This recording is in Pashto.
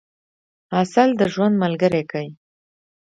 عسل د ژوند ملګری کئ.